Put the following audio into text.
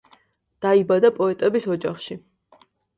დაიბადა პოეტების ოჯახში.